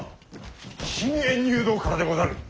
信玄入道からでござる。